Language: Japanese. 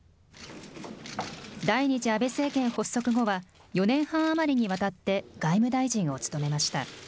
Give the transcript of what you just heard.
第２次安倍政権発足後は、４年半余りにわたって、外務大臣を務めました。